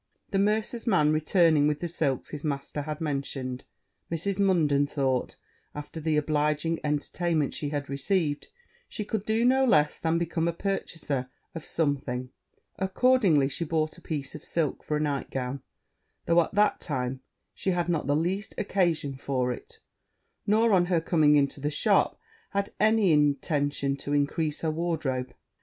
The mercer's man returning with the silks his master had mentioned, Mrs. Munden thought, after the obliging entertainment she had received, she could do no less than become a purchaser of something: accordingly she bought a piece of silk for a night gown; though at the time she had not the least occasion for it, nor, on her coming into the shop, had any intention to increase her wardrobe.